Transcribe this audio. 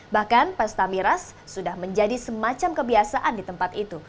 bahkan pesta miras sudah menjadi semacam kebiasaan di tempat itu